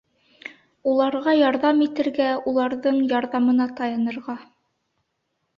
Уларға ярҙам итергә, уларҙың ярҙамына таянырға.